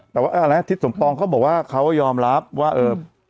แต่ว่าอะไรทิศสมปองเขาบอกว่าเขายอมรับว่าเออ